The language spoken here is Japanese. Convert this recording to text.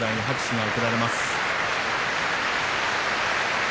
拍手